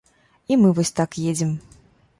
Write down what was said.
І мы вось так едзем.